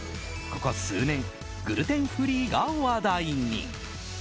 ここ数年グルテンフリーが話題に。